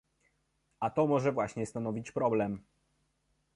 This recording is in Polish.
A to może właśnie stanowić problem